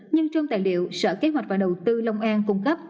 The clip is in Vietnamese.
nhưng trong tài liệu sở kế hoạch và đầu tư long an cung cấp